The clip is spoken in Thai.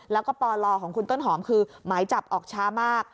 แล้วก็ปลของคุณต้นหอมคือหมายจับออกช้ามาก